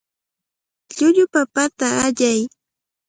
Llullu papata allay.